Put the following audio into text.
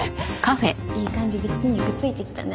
いい感じで筋肉ついてきたね。